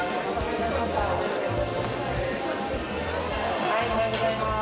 おはようございます。